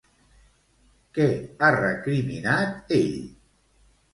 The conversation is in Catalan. Què ha recriminat ell?